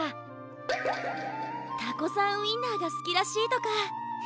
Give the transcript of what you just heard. タコさんウインナーがすきらしいとか。